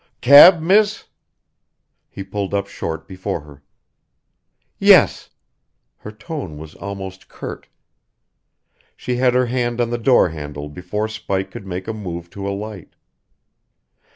"Cab, miss?" He pulled up short before her. "Yes." Her tone was almost curt. She had her hand on the door handle before Spike could make a move to alight.